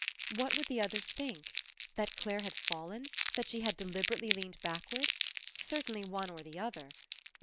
What would the others think? That Clare had fallen? That she had deliberately leaned backward? Certainly one or the other.